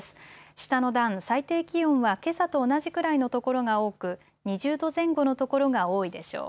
下の段、最低気温はけさと同じくらいの所が多く２０度前後の所が多いでしょう。